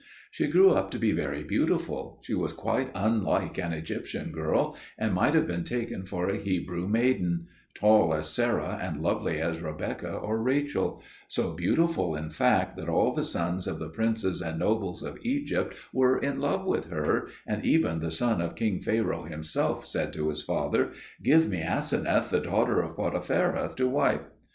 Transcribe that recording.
She grew up to be very beautiful; she was quite unlike an Egyptian girl, and might have been taken for a Hebrew maiden: tall as Sarah and lovely as Rebekah or Rachel; so beautiful, in fact, that all the sons of the princes and nobles of Egypt were in love with her, and even the son of King Pharaoh himself said to his father, "Give me Aseneth, the daughter of Potipherah, to wife."